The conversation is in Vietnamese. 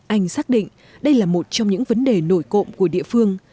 anh xác định đây là một trong những vấn đề nổi cộng của địa phương